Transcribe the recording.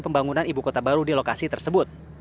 pembangunan ibu kota baru di lokasi tersebut